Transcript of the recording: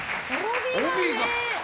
帯が。